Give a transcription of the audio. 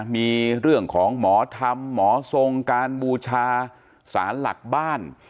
มีเรื่องของหมอธรรมหมอทรงการบูชาสารหลักบ้าน